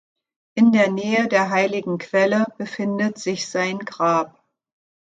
In der Nähe der heiligen Quelle befindet sich sein Grab.